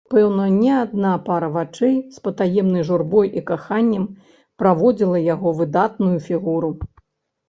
Пэўна, не адна пара вачэй з патаемнай журбой і каханнем праводзіла яго выдатную фігуру!